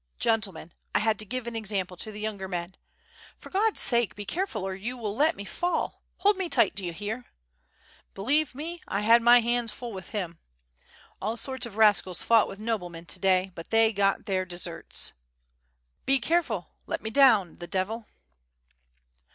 Gentle men, I had to give an example to the younger men. ... For God's sake be careful or you will let me fall, hold me tight, do you hear? ... believe me, 1 had my hands full with him. All sorts of rascals fought with noblemen to day, but they got their deserts. ... Be careful! let me down! The Devil!